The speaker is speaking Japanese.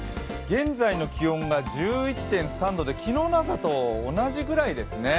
現在の気温が１１．３度で昨日の朝と同じぐらいですね。